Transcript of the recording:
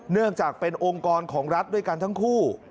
เนื่องจากเป็นองค์กรของรัฐด้วยกันทั้งคู่